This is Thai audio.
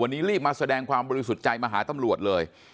วันนี้รีบมาแสดงความบริสุทธิ์ใจมาหาตำรวจเลย